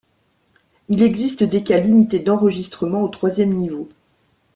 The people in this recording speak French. Il existe des cas limités d'enregistrement au troisième niveau.